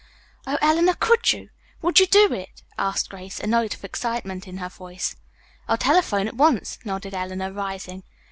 "Oh, Eleanor, could you, would you do it?" asked Grace, a note of excitement in her voice. "I'll telephone at once," nodded Eleanor, rising.